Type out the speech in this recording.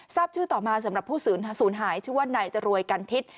ทราบชื่อต่อมาสำหรับผู้สูญหายชื่อว่านายจรวยกันทิศ